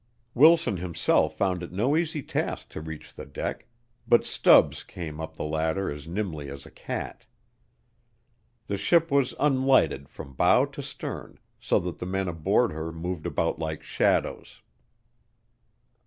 Wilson himself found it no easy task to reach the deck, but Stubbs came up the ladder as nimbly as a cat. The ship was unlighted from bow to stern, so that the men aboard her moved about like shadows.